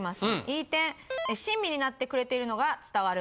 いい点親身になってくれているのが伝わる。